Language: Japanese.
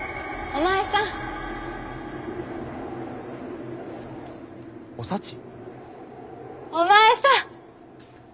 お前さん！おサチ！